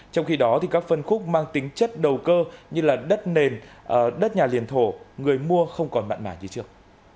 trong khi đó các phân khúc mang tính chất đầu cơ như đất nền đất nhà liền thổ người mua không còn mặn mà như trước